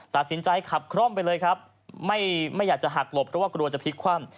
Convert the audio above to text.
ตัดสินใจขับคร่อมไปเลยครับไม่ไม่อยากจะหักหลบเพราะว่ากลัวจะพลิกคว่ำ